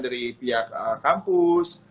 dari pihak kampus